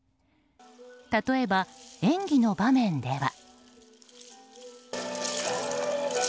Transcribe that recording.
例えば演技の場面では。